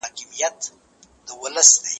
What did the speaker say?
تاسو ولې زما د زنګ ځواب پر وخت نه راکاوه؟